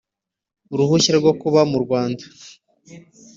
Uruhushya rwo Kuba mu Rwanda.